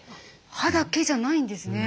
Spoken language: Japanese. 歯だけじゃないんですね。